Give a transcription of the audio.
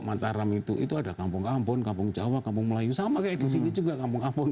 mataram itu itu ada kampung kampung kampung kampung jawa kampung melayu sama kayak di sini juga kampung kampung